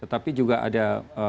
tetapi juga ada